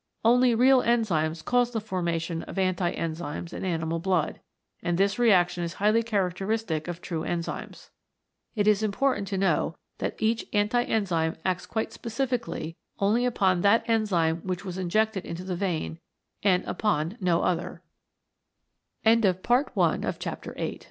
Only real enzymes cause the formation of anti enzymes in animal blood, and this reaction is highly characteristic of true enzymes. It is important to know that each anti enzyme acts quite specifically only upon that enzyme which was injected into the vein, and upon